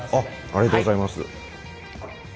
ありがとうございます。